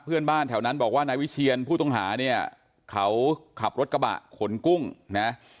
เพื่อนบ้านแถวนั้นบอกว่านายวิเชียนผู้ต้องหาเนี่ยเขาขับรถกระบะขนกุ้งนะ